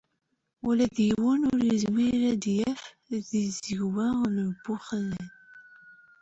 Ula d yiwen ur izmir ad aγ-yaf di tẓegwa n Buxellad.